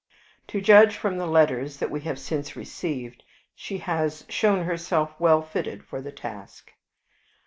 To judge from the letters that we have since received, she has shown herself well fitted for the task.